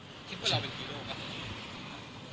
คิดว่าเราเป็นฮีโร่ครับ